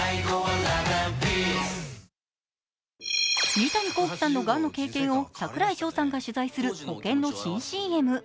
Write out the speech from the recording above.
三谷幸喜さんのがんの経験を櫻井翔さんが取材する保険の新ＣＭ。